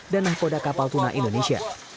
dan nahkoda kapal tuna indonesia